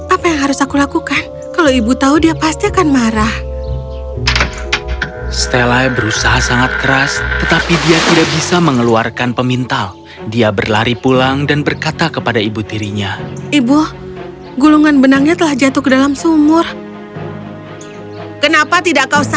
apa yang harus aku lakukan kalau ibu tahu dia pasti akan mati